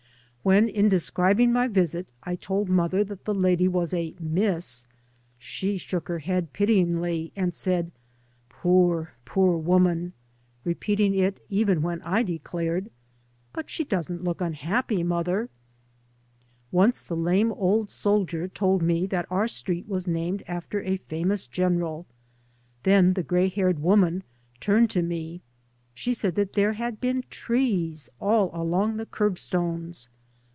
When in describing my visit I told mother that the lady was a " Miss," she shook her head pityingly and said " Poor, poor woman I " repeating it even when I de clared, " But she doesn't look unhappy, mother I " Once the lame old soldier told me that our street was named after a famous general. Then the grey haired woman turned to me. She said that there had been trees all along the curb stones.